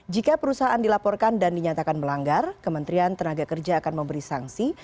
jika perusahaan dilaporkan dan dinyatakan melanggar kementerian tenaga kerja akan memberi sanksi